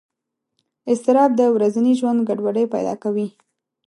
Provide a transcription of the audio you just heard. اضطراب د ورځني ژوند ګډوډۍ پیدا کوي.